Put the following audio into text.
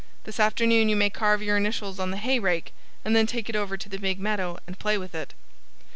This afternoon you may carve your initials on the hay rake and then take it over to the big meadow and play with it."